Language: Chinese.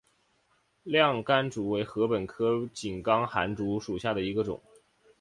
亮竿竹为禾本科井冈寒竹属下的一个种。